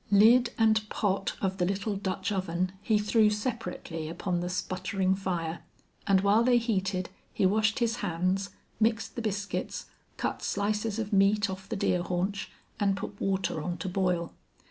Lid and pot of the little Dutch oven he threw separately upon the sputtering fire, and while they heated he washed his hands, mixed the biscuits, cut slices of meat off the deer haunch, and put water on to boil.